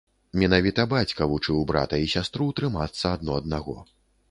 Менавіта бацька вучыў брата і сястру трымацца адно аднаго.